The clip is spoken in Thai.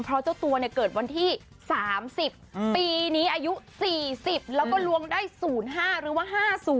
เพราะเจ้าตัวเกิดวันที่๓๐ปีนี้อายุ๔๐แล้วก็ลวงได้๐๕หรือว่า๕๐